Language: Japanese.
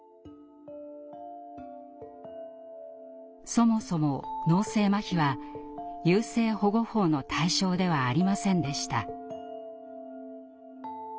そもそも脳性まひは優生保護法の対象ではありませんでした。